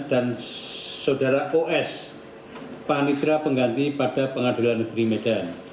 dan saudara os panik terapengganti pada pengadilan negeri medan